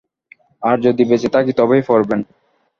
আর যদি বেঁচে থাকি তবেই পড়বেন।